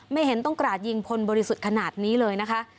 เห็นต้องกราดยิงคนบริสุทธิ์ขนาดนี้เลยนะคะ